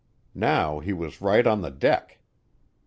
Now he was right on the deck.